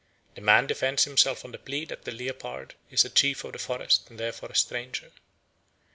The man defends himself on the plea that the leopard is chief of the forest and therefore a stranger.